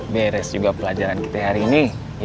beres juga pelajaran kita hari ini